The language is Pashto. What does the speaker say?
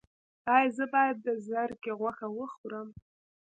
ایا زه باید د زرکې غوښه وخورم؟